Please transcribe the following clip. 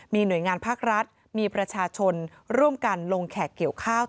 มีหน่วยงานภาครัฐมีประชาชนร่วมกันลงแขกเกี่ยวข้าว